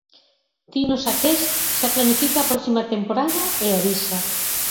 Tino Saqués xa planifica a próxima temporada e avisa.